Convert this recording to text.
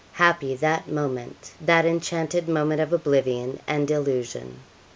Happy that moment that enchanted moment of oblivion and illusion!